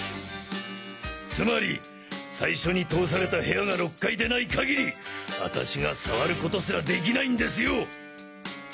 つまり最初に通された部屋が６階でない限り私が触ることすらできないんですよ！